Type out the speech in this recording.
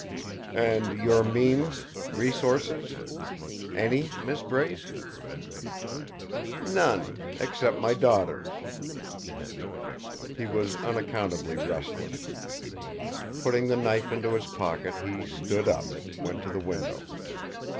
"And your means, resources. Any, Mrs. Brace?" "None except my daughter's." He was unaccountably restless. Putting the knife into his pocket, he stood up, went to the window.